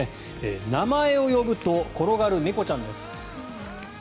名前を呼ぶと転がる猫ちゃんです。